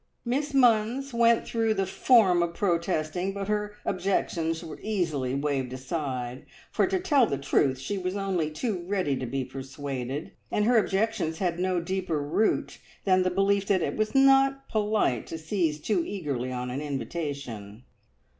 Miss Munns went through the form of protesting, but her objections were easily waved aside, for to tell the truth she was only too ready to be persuaded, and her objections had no deeper root than the belief that it was not polite to seize too eagerly on an invitation.